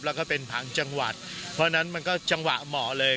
แล้วก็เป็นผังจังหวัดเพราะฉะนั้นมันก็จังหวะเหมาะเลย